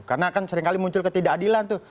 karena kan sering kali muncul ketidakadilan tuh